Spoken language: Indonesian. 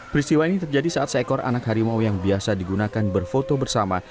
peristiwa ini terjadi saat seekor anak harimau yang biasa digunakan berfoto bersama